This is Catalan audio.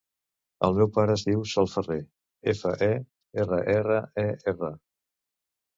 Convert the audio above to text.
El meu pare es diu Sol Ferrer: efa, e, erra, erra, e, erra.